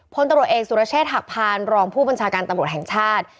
พลตำรวจเอกสุรเชษฐหักพานรองผู้บัญชาการตำรวจแห่งชาติ